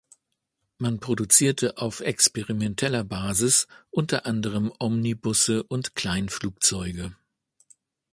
Man produzierte auf experimenteller Basis unter anderem Omnibusse und Kleinflugzeuge.